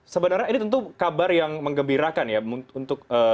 sebenarnya ini tentu kabar yang mengembirakan ya untuk